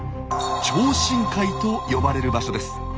「超深海」と呼ばれる場所です。